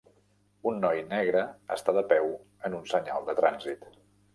Un noi negre està de peu en un senyal de trànsit.